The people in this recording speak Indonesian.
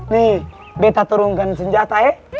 nih betta turunkan senjata ye